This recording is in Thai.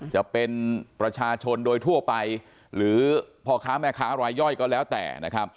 จะเป็นประชาชนโดยทั่วไปหรือพ่อค้าแม่ค้ารายย่อยก็แล้วแต่นะครับ